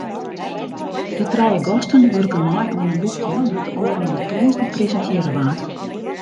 De trije gasten wurken mei oan in boekje dat ôfrûne tongersdei presintearre waard.